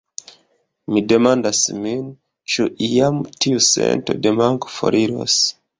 Mi demandas min ĉu iam tiu sento de manko foriros.